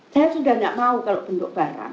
saya sudah tidak mau kalau bentuk barang